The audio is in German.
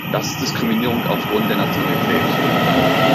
Das ist Diskriminierung aufgrund der Nationalität.